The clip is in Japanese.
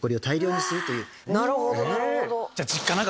なるほどなるほど！